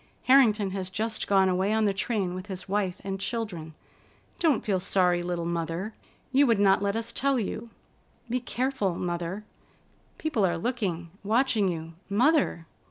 Harrington has just gone away on the train with his wife and children. Don't feel sorry, little Mother. You would not let us tell you. Be careful, Mother; people are looking, watching you. Mother!"